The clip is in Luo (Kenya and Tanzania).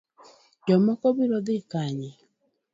Jomoko biro dhi kanye?